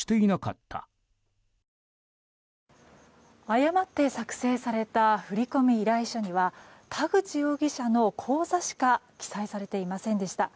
誤って作成された振込依頼書には田口容疑者の口座しか記載されていませんでした。